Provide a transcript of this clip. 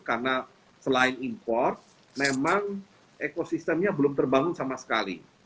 karena selain import memang ekosistemnya belum terbangun sama sekali